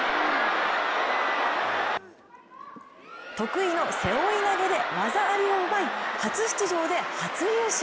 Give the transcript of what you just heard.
得意の背負い投げで技ありを奪い初出場で初優勝。